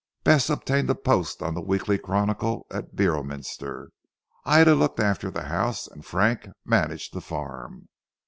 Bess obtained a post on the Weekly Chronicle at Beorminster, Ida looked after the house, and Frank managed the farm.